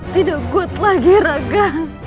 tidak kuat lagi raka